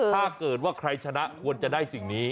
ถ้าเกิดว่าใครชนะควรจะได้สิ่งนี้